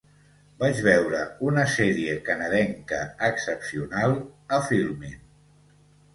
Vaig veure una sèrie canadenca excepcional a Filmin.